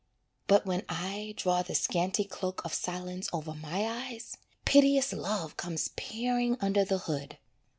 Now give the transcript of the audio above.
But when I draw the scanty cloak of silence over my eyes, Piteous Love comes peering under the hood.